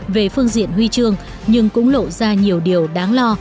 về phương diện huy chương nhưng cũng lộ ra nhiều điều đáng lo